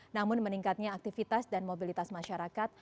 namun meningkatnya aktivitas dan mobilitas masyarakat